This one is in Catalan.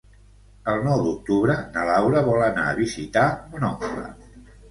El nou d'octubre na Laura vol anar a visitar mon oncle.